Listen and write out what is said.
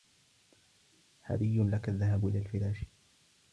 حريّ لك الذهاب إلى الفراش.